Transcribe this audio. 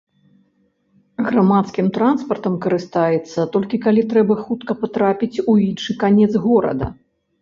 Грамадскім транспартам карыстаецца толькі калі трэба хутка патрапіць у іншы канец горада.